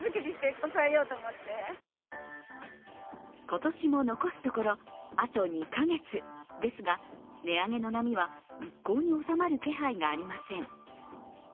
今年も残すところ、あと２か月ですが、値上げの波は一向に収まる気配がありません。